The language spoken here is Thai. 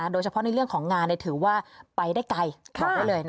โดยเฉพาะในเรื่องของงานถือว่าไปได้ไกลบอกได้เลย